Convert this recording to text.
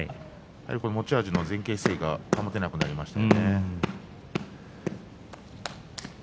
持ち味の前傾姿勢が保てなくなりました。